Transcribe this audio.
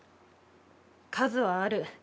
数はある。